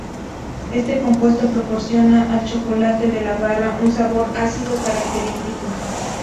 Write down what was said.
Este compuesto proporciona al chocolate de la barra un sabor ácido característico.